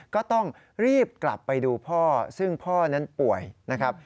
ก็ต้องรีบกลับไปดูพ่อซึ่งพ่อนั้นป่วยนะครับ